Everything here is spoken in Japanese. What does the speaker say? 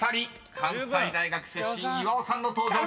［関西大学出身岩尾さんの登場です］